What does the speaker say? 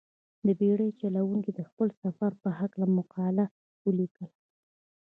دې بېړۍ چلوونکي د خپل سفر په هلکه مقاله ولیکله.